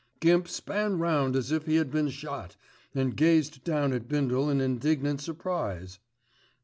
Gimp span round as if he had been shot, and gazed down at Bindle in indignant surprise.